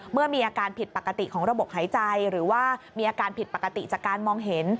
เมื่อมีอาการผิดปกติของระบบหายใจหรือว่ามีอาการผิดปกติจากการมองเห็น